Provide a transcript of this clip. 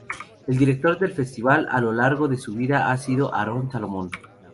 El director del festival a lo largo de su vida ha sido Aaron Solomon.